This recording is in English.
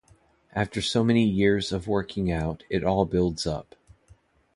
After so many years of working out, it all builds up.